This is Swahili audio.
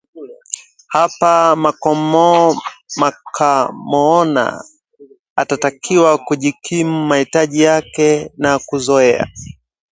hapa mokamoona atatakiwa kujikimu mahitaji yake na hakuzoea